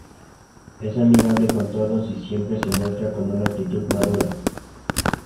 Es amigable con todos y siempre se muestra con una actitud madura.